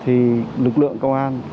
thì lực lượng công an